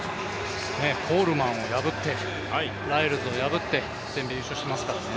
コールマンを破って、ライルズを破って全米優勝していますからね。